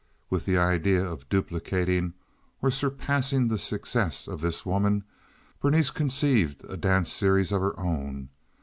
With the idea of duplicating or surpassing the success of this woman Berenice conceived a dance series of her own.